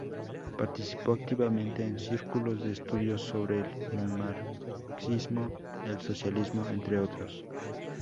Participó activamente en Círculos de Estudios sobre el marxismo, el socialismo, entre otros.